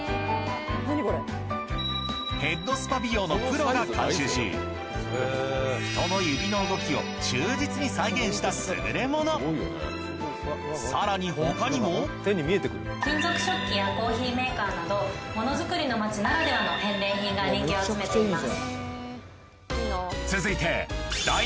まずは第３位中でも人の指の動きを忠実に再現した優れものさらに他にも金属食器やコーヒーメーカーなどものづくりの街ならではの返礼品が人気を集めています。